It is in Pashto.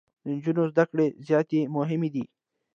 د انجونو زده کړي زياتي مهمي دي.